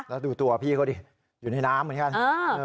แล้วดูตัวพี่เขาดิอยู่ในน้ำเหมือนกัน